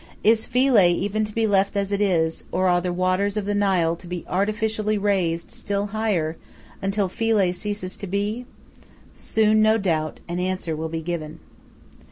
Is Philae even to be left as it is, or are the waters of the Nile to be artificially raised still higher, until Philae ceases to be? Soon, no doubt, an answer will be given.